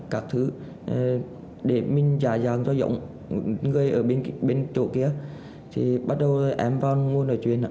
các thứ để mình giải dàng cho giống người ở bên chỗ kia thì bắt đầu em vào ngôi nói chuyện